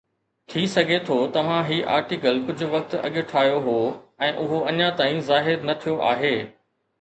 ٿي سگهي ٿو توهان هي آرٽيڪل ڪجهه وقت اڳ ٺاهيو هو ۽ اهو اڃا تائين ظاهر نه ٿيو آهي